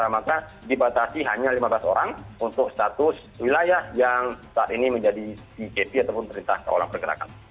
maka di batasi hanya lima belas orang untuk status wilayah yang saat ini menjadi pkp atau perintah keolah pergerakan